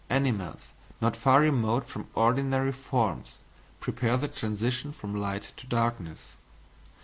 Animals not far remote from ordinary forms, prepare the transition from light to darkness.